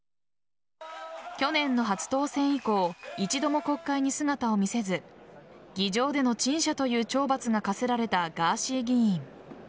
去年の初当選以降一度も国会に姿を見せず議場での陳謝という懲罰が科せられたガーシー議員。